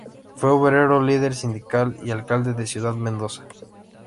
Fue obrero, líder sindical y alcalde de Ciudad Mendoza.